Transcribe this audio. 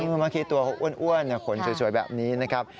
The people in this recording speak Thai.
เมื่อกี้ตัวเขาอ้วนขนสวยแบบนี้นะครับ